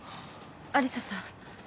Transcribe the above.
有沙さん。